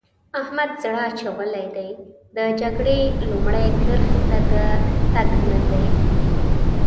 احمد زړه اچولی دی؛ د جګړې لومړۍ کرښې ته د تګ نه دی.